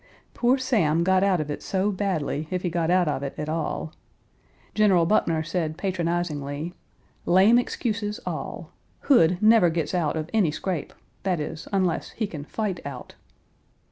Poor Sam got out of it so badly, if he got out of it at all. General Buckner said patronizingly, "Lame excuses, all. Hood never gets out of any scrape that is, unless he can fight out."